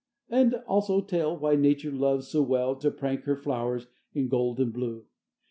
And, also, tell Why Nature loves so well To prank her flowers in gold and blue.